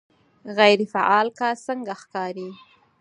غیر فعال کس څنګه ښکاري